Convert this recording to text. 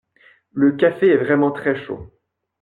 Le café est vraiment très chaud.